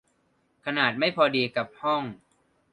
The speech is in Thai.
ขนาดไม่พอดีกับห้อง